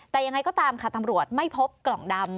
แต่ยังไงก็ตามค่ะตำรวจไม่พบกล่องดำ